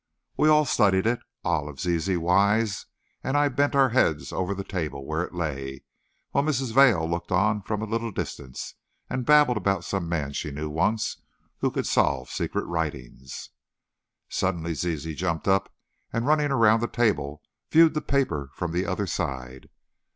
We all studied it. Olive, Zizi, Wise, and I bent our heads over the table where it lay, while Mrs. Vail looked on from a little distance, and babbled about some man she knew once, who could solve secret writings. Suddenly Zizi jumped up, and running around the table, viewed the paper from the other side.